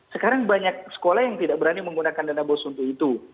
sekarang banyak sekolah yang tidak berani menggunakan dana bos untuk itu